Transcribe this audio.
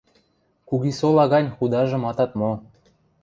Кугисола гань худажым атат мо...